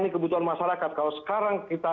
ini kebutuhan masyarakat kalau sekarang kita